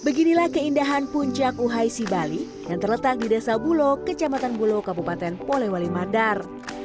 beginilah keindahan puncak uhay sibali yang terletak di desa buloh kecamatan buloh kabupaten polewali madar